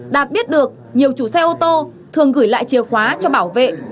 đạt biết được nhiều chủ xe ô tô thường gửi lại chìa khóa cho bảo vệ